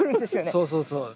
そうそうそう。